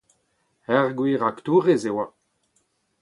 Ur gwir aktourez e oa.